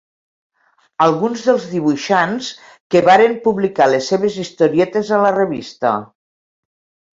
Alguns dels dibuixants que varen publicar les seves historietes a la revista.